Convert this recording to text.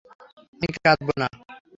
আমি কাঁদবো না।